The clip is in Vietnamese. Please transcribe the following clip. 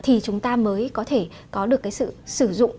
thì chúng ta mới có thể có được cái sự sử dụng